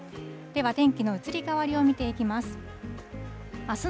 では天気の移り変わりを見ていきます。